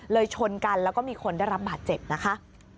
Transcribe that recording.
ชนกันแล้วก็มีคนได้รับบาดเจ็บนะคะ